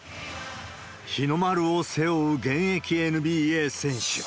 日の丸を背負う現役ＮＢＡ選手。